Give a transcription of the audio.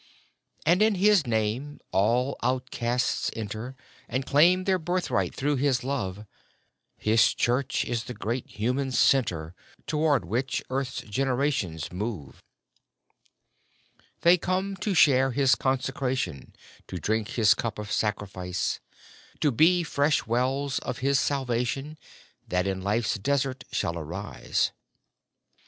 And in His name all outcasts enter, And claim their birthright through His love : His Church is the great human centre Towards which earth's generations move. They come, to share His consecration ; To drink His cup of sacrifice ; (33) 34 EASTER GLEAMS To be fresh wells of His salvation, That in life's desert shall arise.